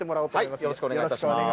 よろしくお願いします。